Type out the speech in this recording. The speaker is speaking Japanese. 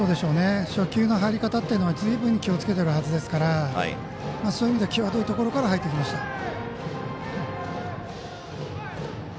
初球の入り方っていうのはずいぶん気をつけているはずですからそういう意味で際どいところから入ってきました。